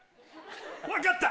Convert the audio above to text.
分かった！